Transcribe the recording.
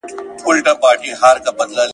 کارګان به په تور مخ وي زموږ له باغ څخه وتلي !.